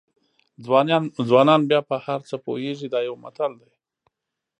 ځوانان بیا په هر څه پوهېږي دا یو متل دی.